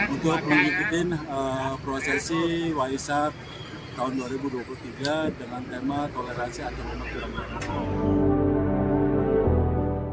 untuk mengikuti prosesi waisat tahun dua ribu dua puluh tiga dengan tema toleransi umat beragama waalaikumsalam